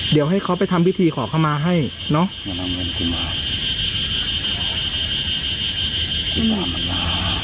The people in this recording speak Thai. เดี๋ยวให้เขาไปทำพิธีขอเข้ามาให้เนอะ